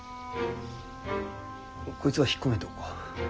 こいつは引っ込めておこう。